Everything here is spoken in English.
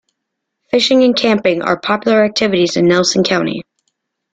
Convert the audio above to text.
Fishing and camping are popular activities in Nelson County.